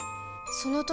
その時